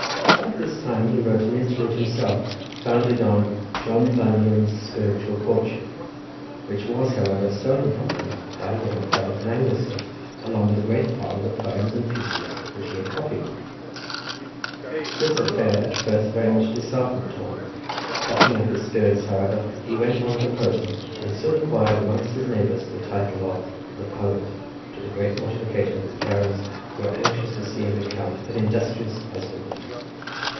About this time he wrote an interlude himself, founded on "John Bunyan's Spiritual Courtship," which was, however, stolen from him by a young fellow from Anglesey, along with the greater part of the poems and pieces which he had copied. This affair at first very much disheartened Tom; plucking up his spirits, however, he went on composing, and soon acquired amongst his neighbours the title of "the poet," to the great mortification of his parents, who were anxious to see him become an industrious husbandman.